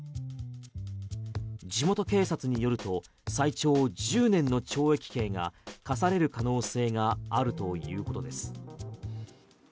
地元警察によると最長１０年の懲役刑が科される可能性があるということです。